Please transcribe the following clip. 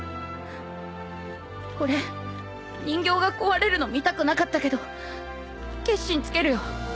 俺人形が壊れるの見たくなかったけど決心つけるよ。